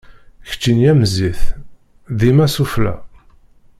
Keččini am zzit, dima s ufella.